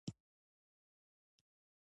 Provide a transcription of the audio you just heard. وګړي د افغانستان د جغرافیایي موقیعت پایله ده.